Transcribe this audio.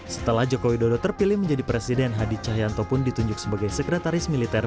setelah joko widodo terpilih menjadi presiden hadi cahyanto pun ditunjuk sebagai sekretaris militer